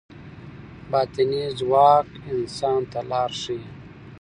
باطني ځواک انسان ته لار ښيي.